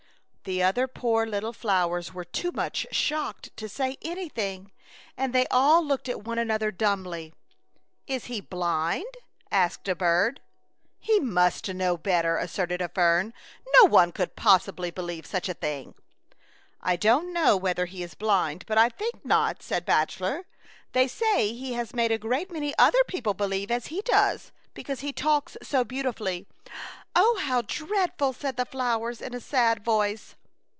The other poor little flowers were too much shocked to say anything, and they all looked at one another dumbly. "Is he blind?" asked a bird. '* He must know better,'* asserted a fern. '' No one could possibly be lieve such a thing.'' " I don't know whether he is blind, but I think not," said Bachelor. They say he has made a great many other people believe as he does because he talks so beautifully/' A Chautauqua Idyl. 97 " How dreadful !" said the flowers, in a sad voice.